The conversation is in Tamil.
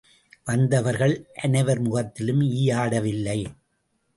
வந்தவர்கள் அனைவர் முகத்திலும் ஈயாடவில்லை.